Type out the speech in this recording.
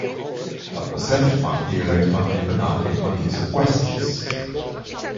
Dat besef maakt deel uit van mijn benadering van deze kwesties.